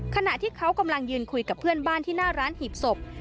ขณะที่เขากำลังยืนคุยกับเพื่อนบ้านที่หน้าร้านหีบศพ